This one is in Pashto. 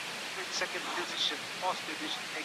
یوازي د زیات استعداد لرل ستا د بریا ضمانت نه کوي.